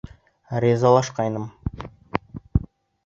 Ризалашҡайным.